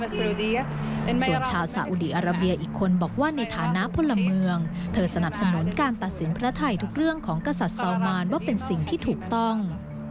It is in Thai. ส่วนชาวสาอุดีอาราเบียอีกคนบอกว่าในฐานะพลเมืองเธอสนับสนุนการตัดสินพระไทยทุกเรื่องของกษัตริย์ซาวมานว่าเป็นสิ่งที่ถูกต้อง